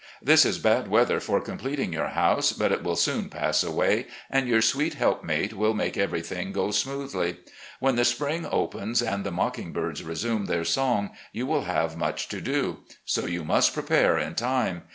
This is bad weather for completing your house, but it will soon pass away, and your sweet helpmate will make ever5rthing go smoothly. When the spring opens and the mocking birds resume their song you will have much to do. So you must prepare in time.